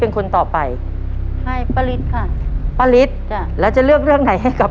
เป็นคนต่อไปให้ป้าฤทธิ์ค่ะป้าฤทธิจ้ะแล้วจะเลือกเรื่องไหนให้กับ